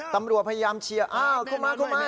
ตำรวจพยายามเชียวอ้าวเข้ามาเข้ามา